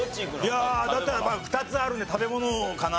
いやあだったら２つあるんで食べ物かな。